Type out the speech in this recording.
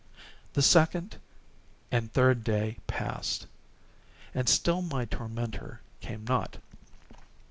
The second and the third day passed, and still my tormentor came not.